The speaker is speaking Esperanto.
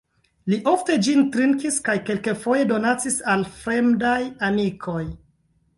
Li ofte ĝin trinkis kaj kelkfoje donacis al fremdaj amikoj.